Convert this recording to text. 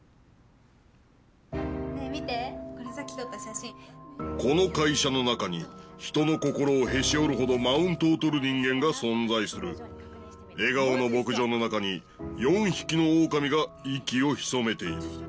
ねえ見てこれさっき撮った写真この会社の中に人の心をへし折るほどマウントを取る人間が存在する笑顔の牧場の中に４匹のオオカミが息を潜めている